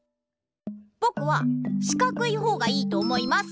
ぼくはしかくいほうがいいと思います。